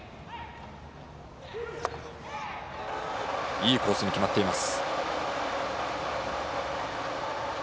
いいコースに決まっています。